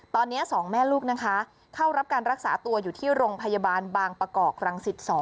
ตอนนี้๒แม่ลูกนะคะเข้ารับการรักษาตัวอยู่ที่โรงพยาบาลบางประกอบรังสิต๒